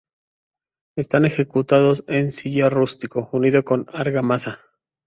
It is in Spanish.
Están ejecutados en sillar rústico, unido con argamasa.